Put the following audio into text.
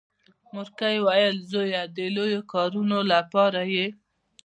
مورکۍ ویل زويه د لويو کارونو لپاره یې.